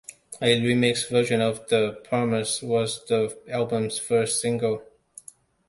A remixed version of "The Promise" was the album's first single.